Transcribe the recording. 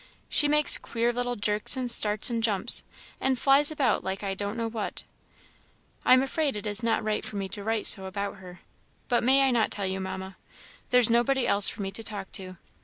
She makes queer little jerks and starts and jumps, and flies about like I don't know what. I am afraid it is not right for me to write so about her; but may I not tell you, Mamma? There's nobody else for me to talk to.